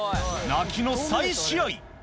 泣きの再試合。